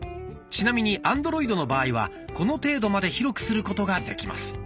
ちなみにアンドロイドの場合はこの程度まで広くすることができます。